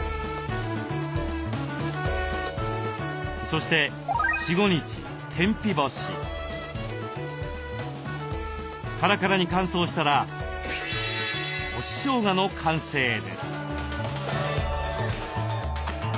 そしてカラカラに乾燥したら干ししょうがの完成です。